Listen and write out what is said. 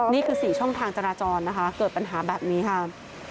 นี่คือ๔ช่องทางจราจรนะคะเกิดปัญหาแบบนี้ค่ะ